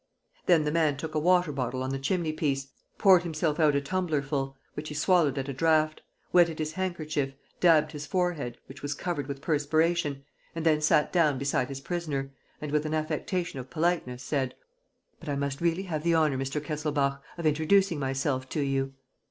Then the man took a water bottle on the chimneypiece, poured himself out a tumblerful, which he swallowed at a draught, wetted his handkerchief, dabbed his forehead, which was covered with perspiration, and then sat down beside his prisoner and, with an affectation of politeness, said: "But I must really have the honor, Mr. Kesselbach, of introducing myself to you."